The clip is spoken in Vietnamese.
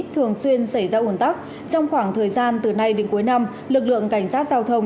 thường xuyên xảy ra ủn tắc trong khoảng thời gian từ nay đến cuối năm lực lượng cảnh sát giao thông